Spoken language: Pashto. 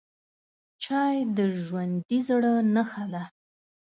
چای د ژوندي زړه نښه ده